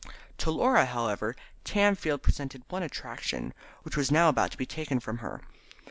To Laura, however, Tamfield presented one attraction, which was now about to be taken from her.